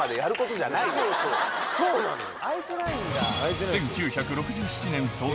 そうなのよ。